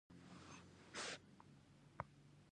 هغوی د غزل په خوا کې تیرو یادونو خبرې کړې.